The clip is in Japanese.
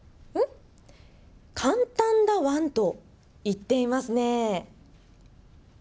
簡単だワンと言っていますね。